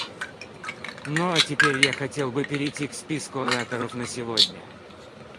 Ну а теперь я хотел бы перейти к списку ораторов на сегодня.